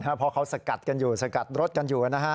เพราะเขาสกัดกันอยู่สกัดรถกันอยู่นะฮะ